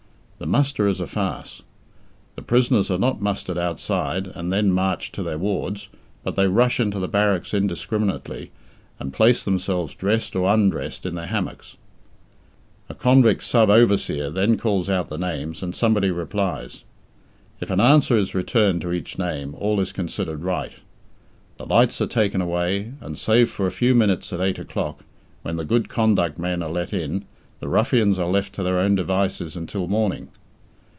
The muster is a farce. The prisoners are not mustered outside and then marched to their wards, but they rush into the barracks indiscriminately, and place themselves dressed or undressed in their hammocks. A convict sub overseer then calls out the names, and somebody replies. If an answer is returned to each name, all is considered right. The lights are taken away, and save for a few minutes at eight o'clock, when the good conduct men are let in, the ruffians are left to their own devices until morning.